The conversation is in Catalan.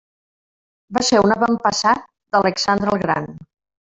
Va ser un avantpassat d'Alexandre el Gran.